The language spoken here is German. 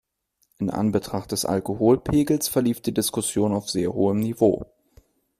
In Anbetracht des Alkoholpegels verlief die Diskussion auf sehr hohem Niveau.